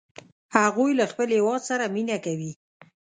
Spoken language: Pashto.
هغوی له خپل هیواد سره مینه کوي